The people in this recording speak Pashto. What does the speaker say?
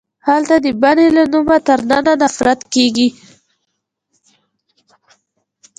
هلته د بنې له نومه تر ننه نفرت کیږي